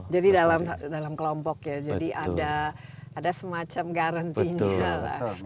jadi dalam kelompok ya jadi ada semacam garantinya